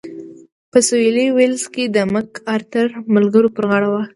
په سوېلي ویلز کې د مک ارتر ملګرو پر غاړه واخیست.